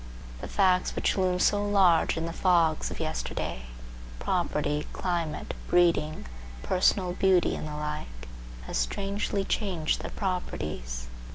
The facts which loomed so large in the fogs of yesterday,—property, climate, breeding, personal beauty and the like, have strangely changed their proportions.